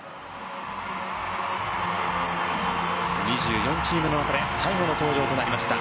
２４チームの中で最後の登場となりました。